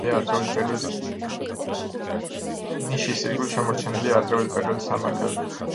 ნიშის ირგვლივ შემორჩენილია ადრეული პერიოდის სამარხები.